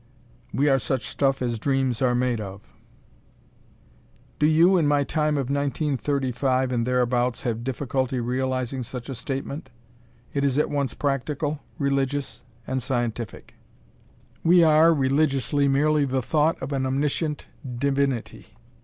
"We are such stuff as dreams are made of...." Do you in my Time of 1935 and thereabouts, have difficulty realizing such a statement? It is at once practical, religious, and scientific. We are, religiously, merely the Thought of an Omniscient Divinity.